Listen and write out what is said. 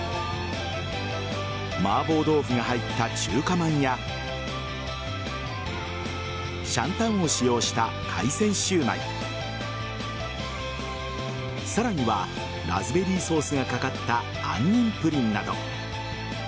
麻婆豆腐が入った中華まんやシャンタンを使用した海鮮シュウマイさらにはラズベリーソースがかかった杏仁プリンなど。